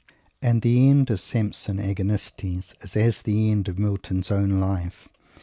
And the end of Samson Agonistes is as the end of Milton's own life.